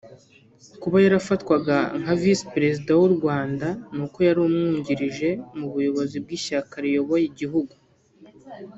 Kuba yarafatwaga nka Visi Perezida w’u Rwanda ni uko yari amwungirije mu buyobozi bw’ishyaka riyoboye igihugu